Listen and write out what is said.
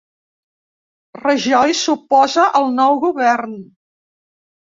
Rajoy s'oposa al nou govern